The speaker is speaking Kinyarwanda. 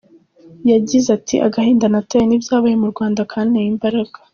Yagize ati” Agahinda natewe n’ibyabaye mu Rwanda kanteye imbaraga.